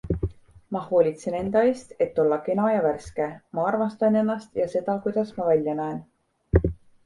Ma hoolitsen enda eest, et olla kena ja värske - ma armastan ennast ja seda, kuidas ma välja näen.